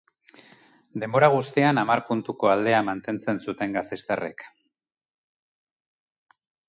Denbora guztian hamar puntuko aldea mantentzen zuten gasteiztarrek.